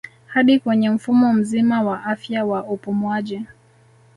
Hadi kwenye mfumo mzima wa afya wa upumuaji